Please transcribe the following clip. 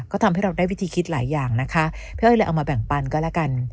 ก็ทำให้เราได้วิธีคิดหลายอย่างนะคะพี่อ้อยเลยเอามาแบ่งปันก็แล้วกัน